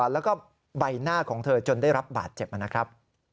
แล้วก็ใบหน้าของเธอจนได้รับบาดเจ็บนะครับ